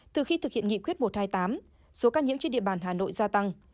từ khi thực hiện nghị quyết một trăm hai mươi tám số ca nhiễm trên địa bàn hà nội gia tăng